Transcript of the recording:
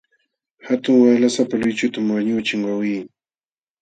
Hatun waqlasapa luychutam wañuqchin wawqii.